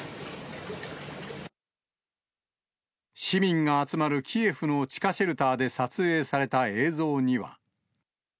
市民が集まるキエフの地下シェルターで撮影された映像には。